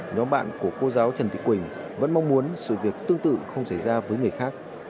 nhóm bạn của cô giáo trần thị quỳnh vẫn mong muốn sự việc tương tự không xảy ra với người khác